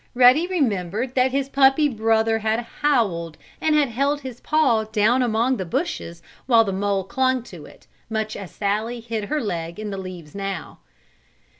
Ruddy remembered that his puppy brother had howled and had held his paw down among the bushes while the mole clung to it, much as Sallie hid her leg in the leaves now.